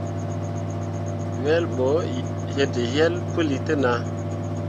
Wel ɓo yetǝyel puli te nah.